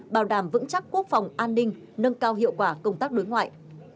bảo đảm vững chắc quốc phòng an ninh nâng cao hiệu quả công tác đối ngoại